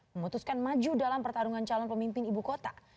memutuskan maju dalam pertarungan calon pemimpin ibu kota